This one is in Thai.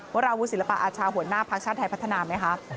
วราวุศิลปะอาชาหัวหน้าภักดิ์ชาติไทยพัฒนาไหมคะ